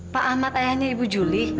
pak ahmad ayahnya ibu juli